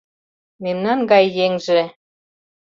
Мемнан гае еҥже